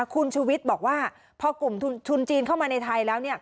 คุณชุวิตบอกว่าพอกลุ่มทุนจีนเข้ามาในไทยแล้ว